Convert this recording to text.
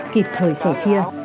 kịp thời sẻ chia